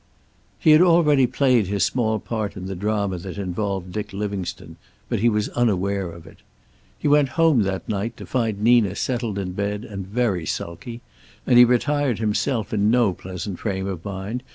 He had already played his small part in the drama that involved Dick Livingstone, but he was unaware of it. He went home that night, to find Nina settled in bed and very sulky, and he retired himself in no pleasant frame of mind.